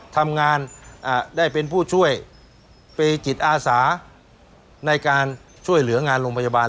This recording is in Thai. ทำงานได้เป็นผู้ช่วยเป็นจิตอาสาในการช่วยเหลืองานโรงพยาบาล